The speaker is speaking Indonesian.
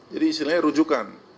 jadi istilahnya rujukan